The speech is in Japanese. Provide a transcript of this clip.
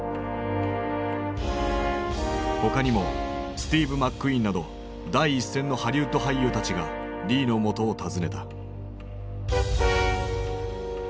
他にもスティーブ・マックイーンなど第一線のハリウッド俳優たちがリーの元を訪ねた。